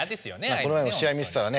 この前も試合見てたらね